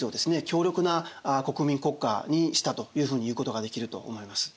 強力な国民国家にしたというふうに言うことができると思います。